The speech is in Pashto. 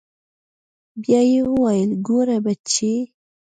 بيا يې وويل ګوره بچى.